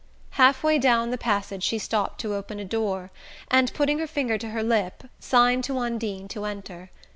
Half way down the passage she stopped to open a door and, putting her finger to her lip, signed to Undine to enter.